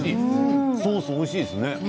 ソースおいしいですね。